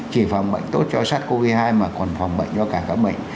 chỉ phòng bệnh tốt cho sars cov hai mà còn phòng bệnh cho cả các bệnh